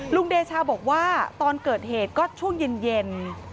เดชาบอกว่าตอนเกิดเหตุก็ช่วงเย็น